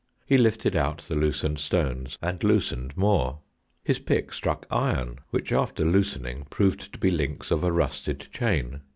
He lifted out the loosened stones, and loosened more. His pick struck iron, which, after loosening, proved to be links of a rusted chain.